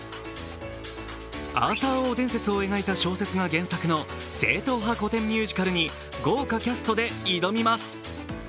「アーサー王伝説」を描いた小説が原作の正統派古典ミュージカルに豪華キャストで挑みます。